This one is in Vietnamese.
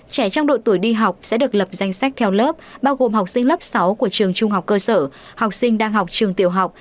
trẻ trong độ tuổi đi học sẽ được lập danh sách theo lớp bao gồm học sinh lớp sáu của trường trung học cơ sở học sinh đang học trường tiểu học